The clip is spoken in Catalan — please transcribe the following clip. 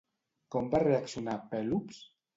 Com va reaccionar Pèlops?